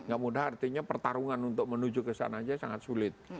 gak mudah artinya pertarungan untuk menuju ke sana aja sangat sulit